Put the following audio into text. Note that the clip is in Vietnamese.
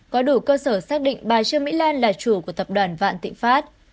có đủ cơ sở xác định bà trương mỹ lan là chủ của tập đoàn vạn tịnh phát